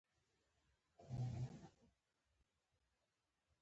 د ګوبک لي فرهنګي مرکز د لومړنیو غنمو له اهلي کولو سره تړاو لري.